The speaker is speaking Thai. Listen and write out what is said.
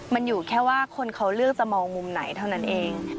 มันอยู่แค่ว่าคนเขาเลือกจะมองมุมไหนเท่านั้นเอง